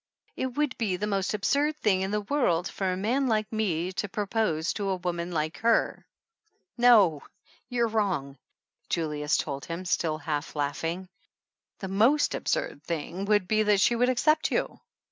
"It would be the most absurd thing in the world for a man like me to propose to a woman like her !" "No, you're wrong," Julius told him, still half laughing, "the most absurd thing would be that she would accept you